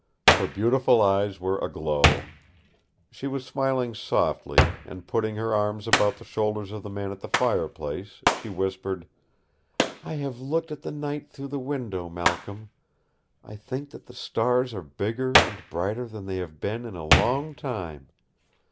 Her beautiful eyes were aglow. She was smiling softly, and putting her arms about the shoulders of the man at the fireplace, she whispered: "I have looked at the night through the window, Malcolm. I think that the stars are bigger and brighter than they have been in a long time.